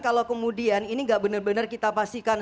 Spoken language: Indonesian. kalau kemudian ini nggak benar benar kita pastikan